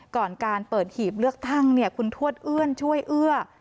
ก่อนการเปิดหีบเลือกตั้งคุณทวดเอื้อนช่วยเอื้อ